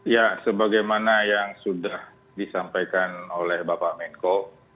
ya sebagaimana yang sudah disampaikan oleh bapak menko